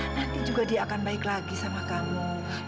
nanti juga dia akan baik lagi sama kamu